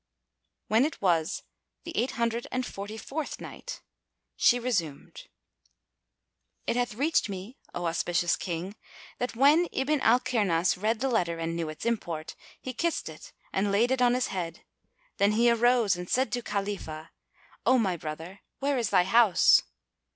When it was the Eight Hundred and Forty fourth Night, She resumed, It hath reached me, O auspicious King, that when Ibn al Kirnas read the letter and knew its import, he kissed it and laid it on his head; then he arose and said to Khalifah, "O my brother, where is thy house?"